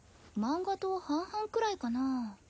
漫画と半々くらいかな。